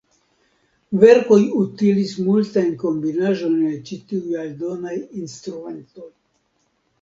Verkoj utilis multajn kombinaĵojn el ĉi tiuj aldonaj instrumentoj.